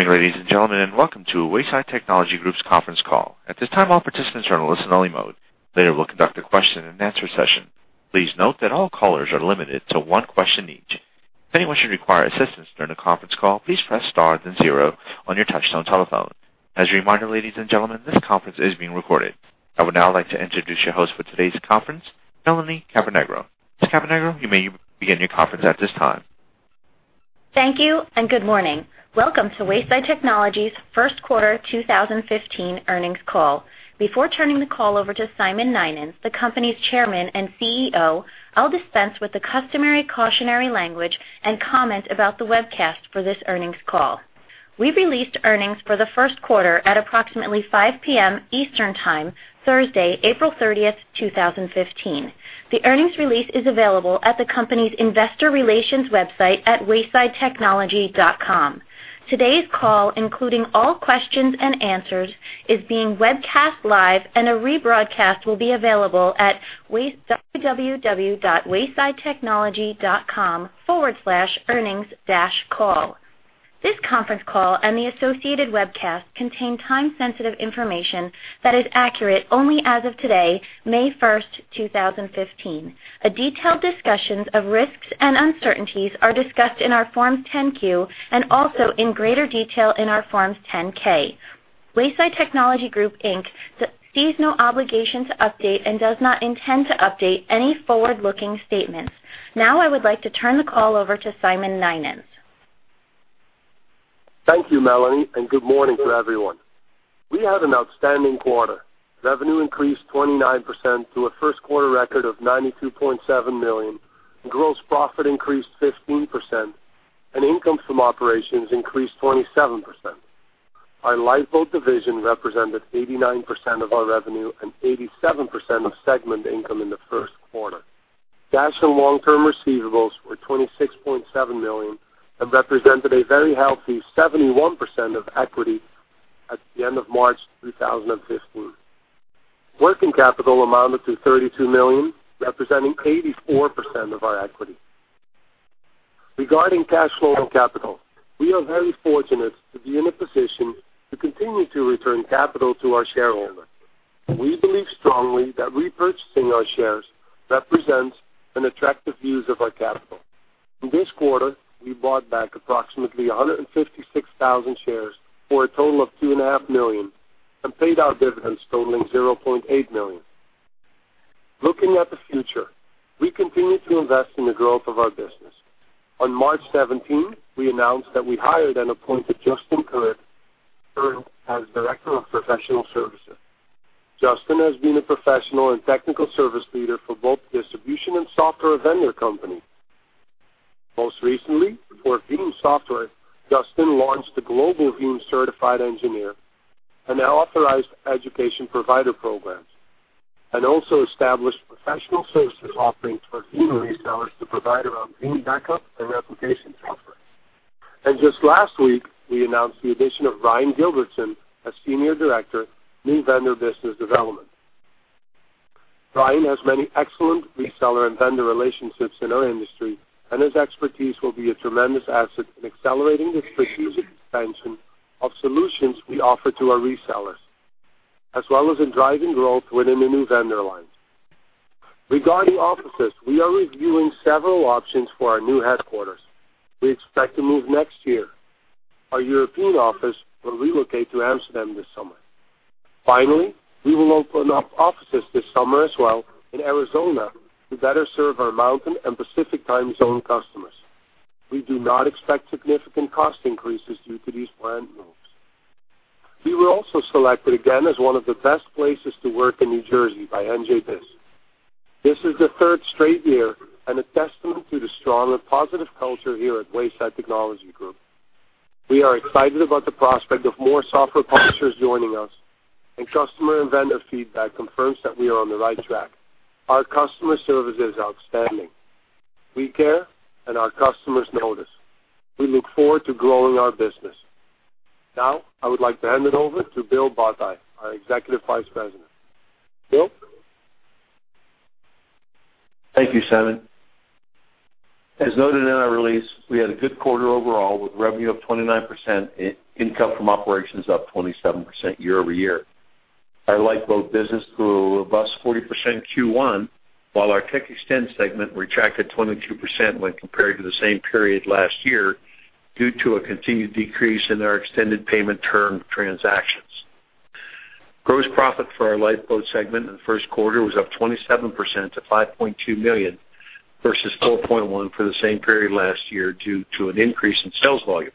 Good morning, ladies and gentlemen, and welcome to Wayside Technology Group's conference call. At this time, all participants are in listen only mode. Later, we will conduct a question and answer session. Please note that all callers are limited to one question each. If anyone should require assistance during the conference call, please press star then zero on your touchtone telephone. As a reminder, ladies and gentlemen, this conference is being recorded. I would now like to introduce your host for today's conference, Melanie Caponigro. Ms. Caponigro, you may begin your conference at this time. Thank you, and good morning. Welcome to Wayside Technology's first quarter 2015 earnings call. Before turning the call over to Simon Nynens, the company's Chairman and CEO, I will dispense with the customary cautionary language and comment about the webcast for this earnings call. We have released earnings for the first quarter at approximately 5:00 P.M. Eastern Time, Thursday, April 30th, 2015. The earnings release is available at the company's investor relations website at waysidetechnology.com. Today's call, including all questions and answers, is being webcast live, and a rebroadcast will be available at www.waysidetechnology.com/earnings-call. This conference call and the associated webcast contain time-sensitive information that is accurate only as of today, May 1st, 2015. A detailed discussions of risks and uncertainties are discussed in our Forms 10-Q and also in greater detail in our Forms 10-K. Wayside Technology Group Inc. sees no obligation to update and does not intend to update any forward-looking statements. Now I would like to turn the call over to Simon Nynens. Thank you, Melanie, and good morning to everyone. We had an outstanding quarter. Revenue increased 29% to a first quarter record of $92.7 million, gross profit increased 15%, and income from operations increased 27%. Our Lifeboat division represented 89% of our revenue and 87% of segment income in the first quarter. Cash and long-term receivables were $26.7 million and represented a very healthy 71% of equity at the end of March 2015. Working capital amounted to $32 million, representing 84% of our equity. Regarding cash flow and capital, we are very fortunate to be in a position to continue to return capital to our shareholders. We believe strongly that repurchasing our shares represents an attractive use of our capital. In this quarter, we bought back approximately 156,000 shares for a total of $2.5 million and paid out dividends totaling $0.8 million. Looking at the future, we continue to invest in the growth of our business. On March 17, we announced that we hired and appointed Justin Current as Director of Professional Services. Justin has been a professional and technical service leader for both distribution and software vendor companies. Most recently, before Veeam Software, Justin launched the global Veeam Certified Engineer and now authorized education provider programs, and also established professional services offerings for Veeam resellers to provide around Veeam backup and replication software. Just last week, we announced the addition of Brian Gilbertson as Senior Director, New Vendor Business Development. Brian has many excellent reseller and vendor relationships in our industry, and his expertise will be a tremendous asset in accelerating the strategic expansion of solutions we offer to our resellers, as well as in driving growth within the new vendor lines. Regarding offices, we are reviewing several options for our new headquarters. We expect to move next year. Our European office will relocate to Amsterdam this summer. We will open up offices this summer as well in Arizona to better serve our Mountain and Pacific Time Zone customers. We do not expect significant cost increases due to these planned moves. We were also selected again as one of the Best Places to Work in New Jersey by NJBiz. This is the third straight year and a testament to the strong and positive culture here at Wayside Technology Group. We are excited about the prospect of more software publishers joining us, and customer and vendor feedback confirms that we are on the right track. Our customer service is outstanding. We care, and our customers notice. We look forward to growing our business. I would like to hand it over to Bill Botti, our Executive Vice President. Bill? Thank you, Simon. As noted in our release, we had a good quarter overall with revenue up 29%, income from operations up 27% year-over-year. Our Lifeboat business grew a robust 40% Q1 while our TechXtend segment retracted 22% when compared to the same period last year due to a continued decrease in our extended payment term transactions. Gross profit for our Lifeboat segment in the first quarter was up 27% to $5.2 million versus $4.1 million for the same period last year due to an increase in sales volume.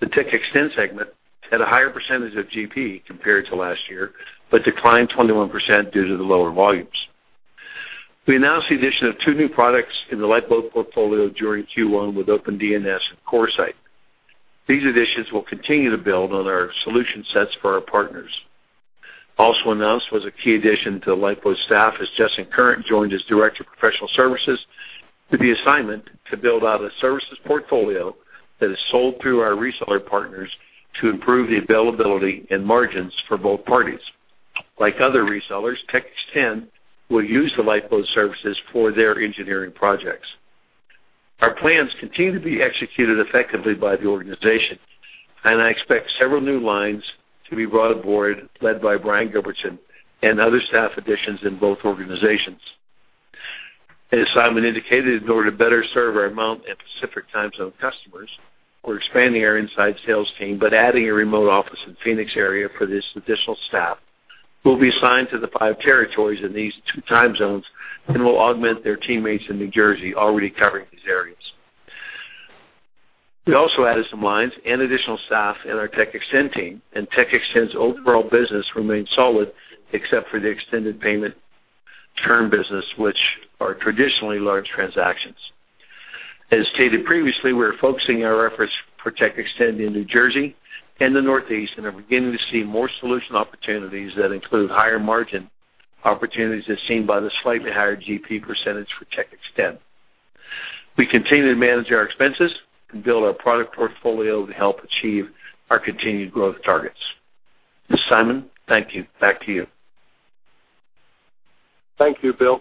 The TechXtend segment had a higher percentage of GP compared to last year, but declined 21% due to the lower volumes. We announced the addition of two new products in the Lifeboat portfolio during Q1 with OpenDNS and CoreSite. These additions will continue to build on our solution sets for our partners. Also announced was a key addition to the Lifeboat staff as Justin Current joined as Director of Professional Services with the assignment to build out a services portfolio that is sold through our reseller partners to improve the availability and margins for both parties. Like other resellers, TechXtend will use the Lifeboat services for their engineering projects. Our plans continue to be executed effectively by the organization. I expect several new lines to be brought aboard, led by Brian Gilbertson and other staff additions in both organizations. As Simon Nynens indicated, in order to better serve our Mountain and Pacific Time Zone customers, we're expanding our inside sales team by adding a remote office in Phoenix area for this additional staff, who will be assigned to the five territories in these two time zones and will augment their teammates in New Jersey already covering these areas. We also added some lines and additional staff in our TechXtend team. TechXtend's overall business remains solid, except for the extended payment term business, which are traditionally large transactions. As stated previously, we're focusing our efforts for TechXtend in New Jersey and the Northeast. Are beginning to see more solution opportunities that include higher margin opportunities as seen by the slightly higher GP % for TechXtend. We continue to manage our expenses and build our product portfolio to help achieve our continued growth targets. Simon, thank you. Back to you. Thank you, Bill.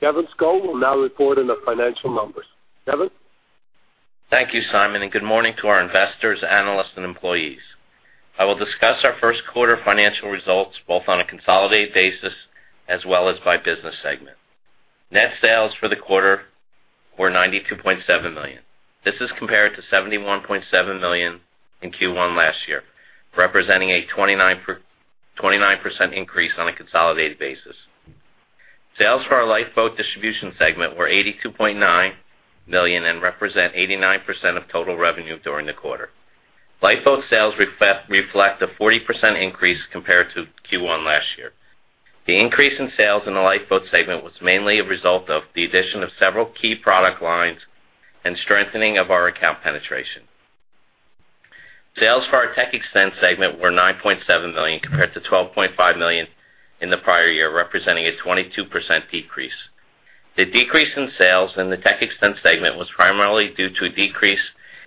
Kevin Scull will now report on the financial numbers. Kevin? Thank you, Simon. Good morning to our investors, analysts, and employees. I will discuss our first quarter financial results both on a consolidated basis as well as by business segment. Net sales for the quarter were $92.7 million. This is compared to $71.7 million in Q1 last year, representing a 29% increase on a consolidated basis. Sales for our Lifeboat Distribution segment were $82.9 million and represent 89% of total revenue during the quarter. Lifeboat sales reflect a 40% increase compared to Q1 last year. The increase in sales in the Lifeboat segment was mainly a result of the addition of several key product lines and strengthening of our account penetration. Sales for our TechXtend segment were $9.7 million compared to $12.5 million in the prior year, representing a 22% decrease. The decrease in sales in the TechXtend segment was primarily due to a decrease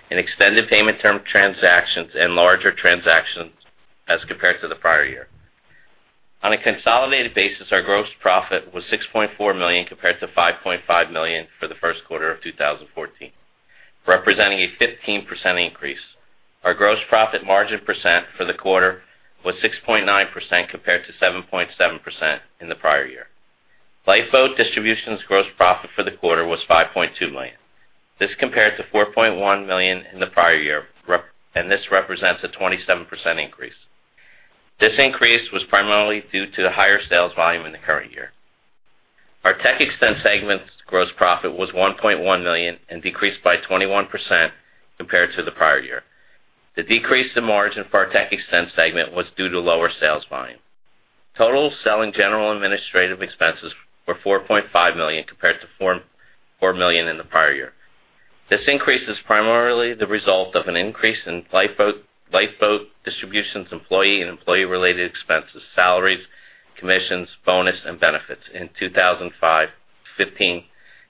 in extended payment term transactions and larger transactions as compared to the prior year. On a consolidated basis, our gross profit was $6.4 million compared to $5.5 million for the first quarter of 2014, representing a 15% increase. Our gross profit margin percent for the quarter was 6.9% compared to 7.7% in the prior year. Lifeboat Distribution's gross profit for the quarter was $5.2 million. This compared to $4.1 million in the prior year, and this represents a 27% increase. This increase was primarily due to the higher sales volume in the current year. Our TechXtend segment's gross profit was $1.1 million and decreased by 21% compared to the prior year. The decrease in margin for our TechXtend segment was due to lower sales volume. Total selling general administrative expenses were $4.5 million compared to $4 million in the prior year. This increase is primarily the result of an increase in Lifeboat Distribution's employee and employee-related expenses, salaries, commissions, bonus, and benefits in 2015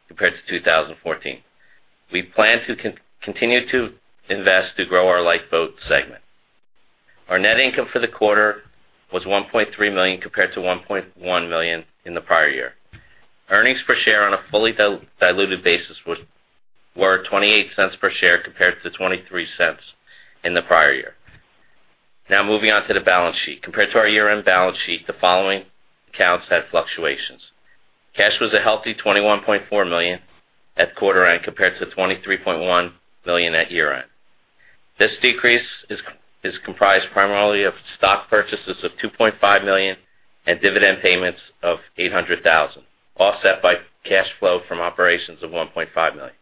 compared to 2014. We plan to continue to invest to grow our Lifeboat segment. Our net income for the quarter was $1.3 million compared to $1.1 million in the prior year. Earnings per share on a fully diluted basis were $0.28 per share compared to $0.23 in the prior year. Moving on to the balance sheet. Compared to our year-end balance sheet, the following accounts had fluctuations. Cash was a healthy $21.4 million at quarter end compared to $23.1 million at year-end. This decrease is comprised primarily of stock purchases of $2.5 million and dividend payments of $800,000, offset by cash flow from operations of $1.5 million.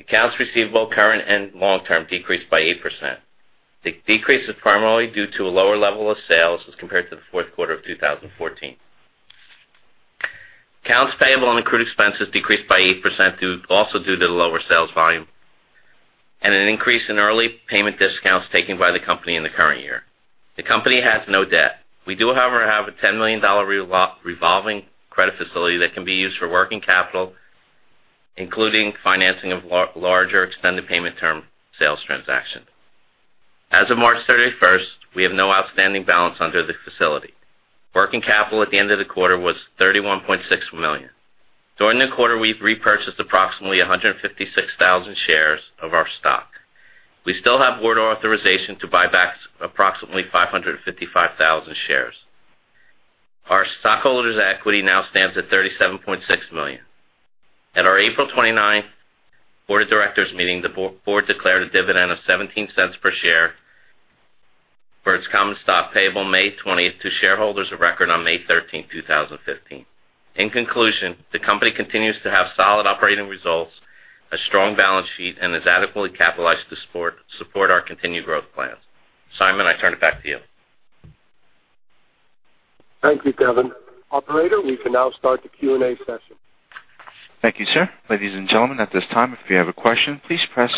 Accounts receivable, current and long-term, decreased by 8%. The decrease is primarily due to a lower level of sales as compared to the fourth quarter of 2014. Accounts payable and accrued expenses decreased by 8% also due to the lower sales volume and an increase in early payment discounts taken by the company in the current year. The company has no debt. We do, however, have a $10 million revolving credit facility that can be used for working capital, including financing of larger extended payment term sales transactions. As of March 31st, we have no outstanding balance under the facility. Working capital at the end of the quarter was $31.6 million. During the quarter, we've repurchased approximately 156,000 shares of our stock. We still have board authorization to buy back approximately 555,000 shares. Our stockholders' equity now stands at $37.6 million. At our April 29th board of directors meeting, the board declared a dividend of $0.17 per share for its common stock payable May 20th to shareholders of record on May 13th, 2015. In conclusion, the company continues to have solid operating results, a strong balance sheet, and is adequately capitalized to support our continued growth plans. Simon, I turn it back to you. Thank you, Kevin. Operator, we can now start the Q&A session. Thank you, sir. Ladies and gentlemen, at this time, if you have a question, please press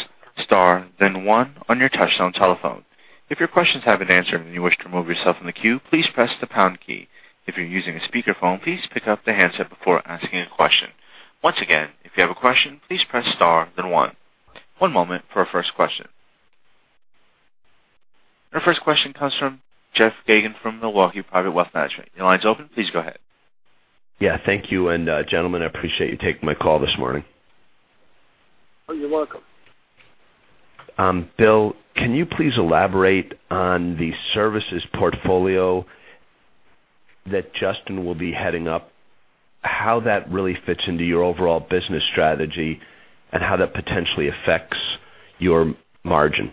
star then one on your touchtone telephone. If your questions have been answered and you wish to remove yourself from the queue, please press the pound key. If you're using a speakerphone, please pick up the handset before asking a question. Once again, if you have a question, please press star then one. One moment for our first question. Our first question comes from Jeffrey Geygan from Milwaukee Private Wealth Management. Your line's open, please go ahead. Yeah, thank you. Gentlemen, I appreciate you taking my call this morning. Oh, you're welcome. Bill, can you please elaborate on the services portfolio that Justin will be heading up, how that really fits into your overall business strategy, and how that potentially affects your margin?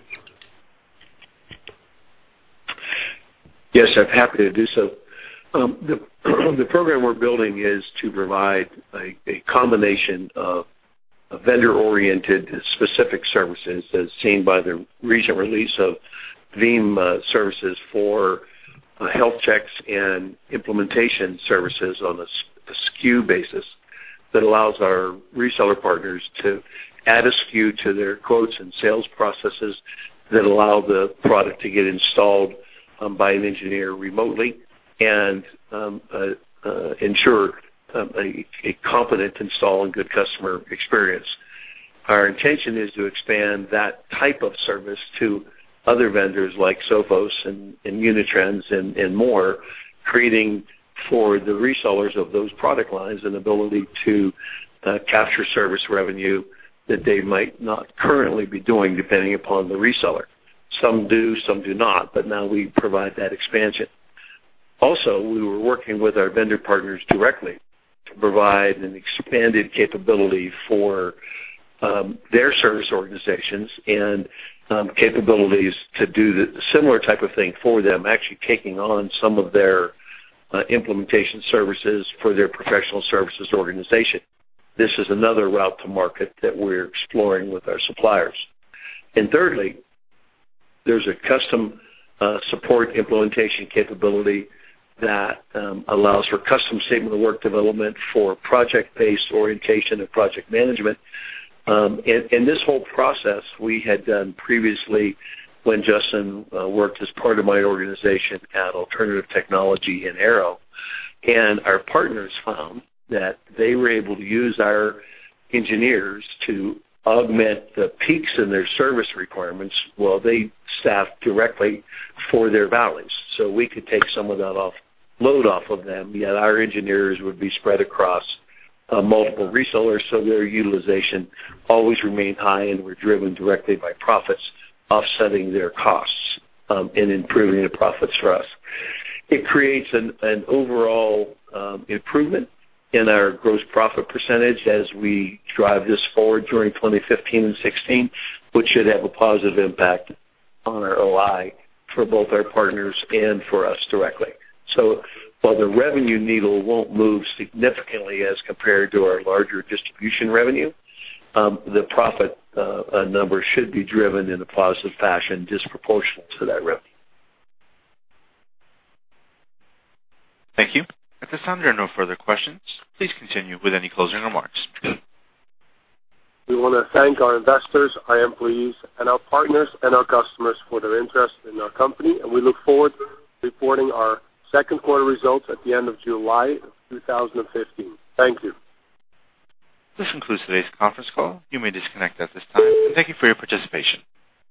Yes, I'm happy to do so. The program we're building is to provide a combination of vendor-oriented specific services as seen by the recent release of Veeam services for health checks and implementation services on a SKU basis that allows our reseller partners to add a SKU to their quotes and sales processes that allow the product to get installed by an engineer remotely and ensure a competent install and good customer experience. Our intention is to expand that type of service to other vendors like Sophos and Unitrends and more, creating for the resellers of those product lines an ability to capture service revenue that they might not currently be doing, depending upon the reseller. Some do, some do not, Now we provide that expansion. We were working with our vendor partners directly to provide an expanded capability for their service organizations and capabilities to do the similar type of thing for them, actually taking on some of their implementation services for their professional services organization. This is another route to market that we're exploring with our suppliers. Thirdly, there's a custom support implementation capability that allows for custom statement of work development for project-based orientation and project management. This whole process we had done previously when Justin worked as part of my organization at Alternative Technology and Arrow, and our partners found that they were able to use our engineers to augment the peaks in their service requirements while they staffed directly for their valleys. We could take some of that load off of them, yet our engineers would be spread across multiple resellers, so their utilization always remained high, and were driven directly by profits, offsetting their costs, and improving the profits for us. It creates an overall improvement in our gross profit % as we drive this forward during 2015 and 2016, which should have a positive impact on our OI for both our partners and for us directly. While the revenue needle won't move significantly as compared to our larger distribution revenue, the profit number should be driven in a positive fashion, disproportional to that revenue. Thank you. At this time, there are no further questions. Please continue with any closing remarks. We want to thank our investors, our employees, and our partners and our customers for their interest in our company. We look forward to reporting our second quarter results at the end of July 2015. Thank you. This concludes today's conference call. You may disconnect at this time. Thank you for your participation.